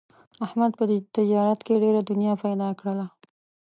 احمد په تجارت کې ډېره دنیا پیدا کړله.